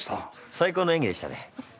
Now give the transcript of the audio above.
最高の演技でしたね。